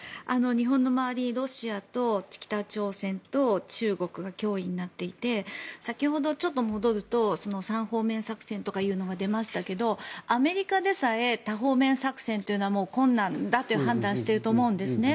日本の周りにロシアと北朝鮮と中国が脅威になっていて先ほど、ちょっと戻ると３方面作戦というのが出ましたけどアメリカでさえ多方面作戦というのはもう困難だと判断していると思うんですね。